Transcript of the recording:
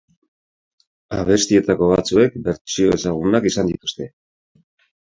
Abestietako batzuek bertsio ezagunak izan dituzte.